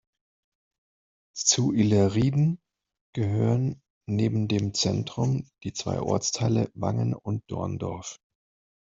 Zu Illerrieden gehören neben dem Zentrum die zwei Ortsteile Wangen und Dorndorf.